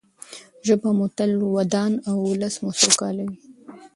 ژبه مو تل ودان او ولس مو سوکاله وي.